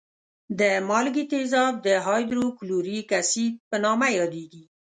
د مالګي تیزاب د هایدروکلوریک اسید په نامه یادېږي.